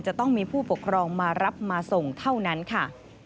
จะต้องมีผู้ปกครองมารับมาส่งเท่านั้นค่ะ